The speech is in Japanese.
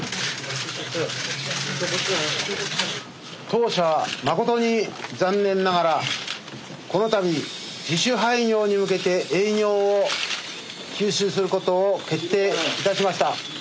当社誠に残念ながらこの度自主廃業に向けて営業を休止することを決定いたしました。